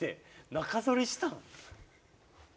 中ぞりしたん？